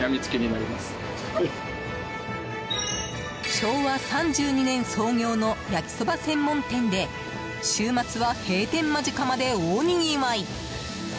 昭和３２年創業の焼きそば専門店で週末は閉店間近まで大にぎわい。